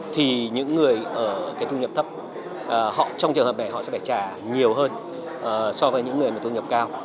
thì những người ở cái thu nhập thấp trong trường hợp này họ sẽ phải trả nhiều hơn so với những người mà thu nhập cao